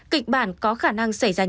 kịch bản có khả năng diễn biến trong năm nay